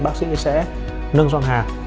bác sĩ sẽ nâng xoang hàm